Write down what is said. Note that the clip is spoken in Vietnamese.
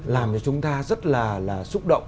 làm cho chúng ta rất là xúc động